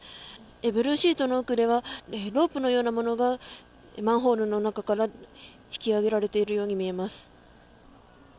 ブルーシートの奥ではロープのようなものがマンホールの中から引き上げられているように見えます。